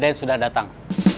deden sudah datang